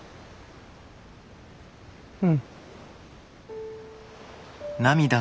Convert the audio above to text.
うん。